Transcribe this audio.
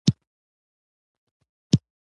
او د مينې محبت خواږۀ راګونه ئې چېړلي دي